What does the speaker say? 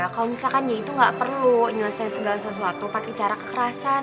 kalau misalkan dia itu gak perlu nyelesain segala sesuatu pakai cara kekerasan